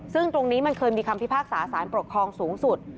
ซึ่งตรงนี้มันเคยมีคำพิพากษาสารปกครองสูงสุด